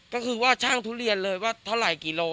ก็คือว่าช่างทุเรียนเลยว่าเท่าไหร่กิโล